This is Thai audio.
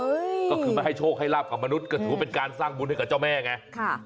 ก็คือมาให้โชคให้ลาบกับมนุษย์ก็ถือว่าเป็นการสร้างบุญให้กับเจ้าแม่ไงค่ะ